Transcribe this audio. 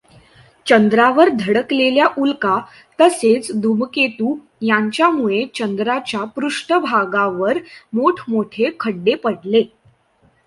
चंद्रावर धडकलेल्या उल्का तसेच धूमकेतू यांच्यामुळे चंद्राच्या पृष्ठभागावर मोठमोठे खड्डे पडले.